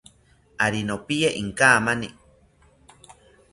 Ari nopiye inkamani